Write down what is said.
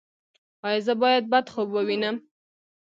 ایا زه باید بد خوب ووینم؟